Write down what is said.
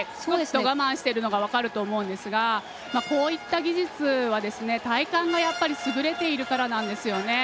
我慢しているのが分かると思うんですがこういった技術は体幹が優れているからなんですよね。